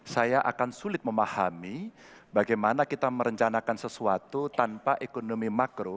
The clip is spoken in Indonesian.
saya akan sulit memahami bagaimana kita merencanakan sesuatu tanpa ekonomi makro